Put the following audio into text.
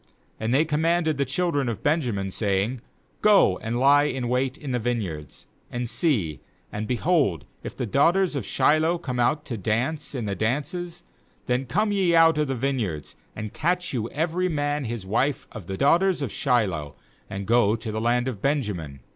20And they commanded the children of Benjamin, saying: 'Go and lie in wait in the vineyards; aand see, and, behold, if the daughters of Shiloh come out to dance in tite dances, then come ye out of the vineyards, and catch you every man, his wife of the daughters of Shiloh, and go to the land of Benjamin.